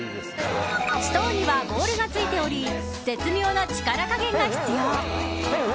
ストーンにはボールがついており絶妙な力加減が必要。